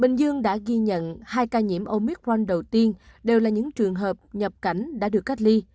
bình dương đã ghi nhận hai ca nhiễm omic frank đầu tiên đều là những trường hợp nhập cảnh đã được cách ly